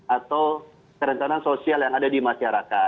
atau kerencanaan sosial yang ada di rumah